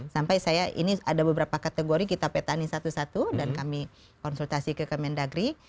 sampai saya ini ada beberapa kategori kita petani satu satu dan kami konsultasi ke kemendagri